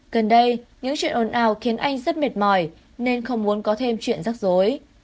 gần đây những chuyện ẩn ảo khiến anh rất mệt mỏi nên không muốn có thêm chuyện rắc rối